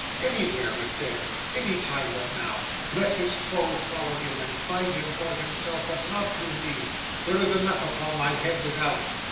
Anywhere but there! Any time but now! Let his foe follow him, and find him for himself, but not through me! There is enough upon my head without."